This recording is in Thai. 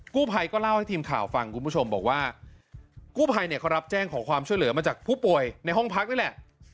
กู้ภัยก็เล่าให้ทีมข่าวฟังคุณผู้ชมบอกว่ากู้ภัยเนี่ยเขารับแจ้งขอความช่วยเหลือมาจากผู้ป่วยในห้องพักนี่แหละ